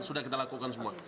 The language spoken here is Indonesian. sudah kita lakukan semua